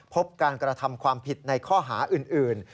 พบการกระทำความผิดในข้อหาอื่น